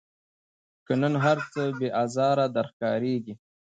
که نن هرڅه بې آزاره در ښکاریږي